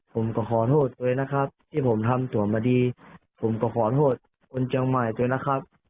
ผมก็ขอโทษเลยนะครับที่ผมทำสวนมาดีผมก็ขอโทษคนเชียงใหม่ด้วยนะครับ